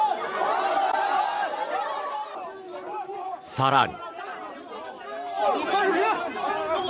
更に。